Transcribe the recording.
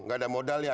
nggak ada modal ya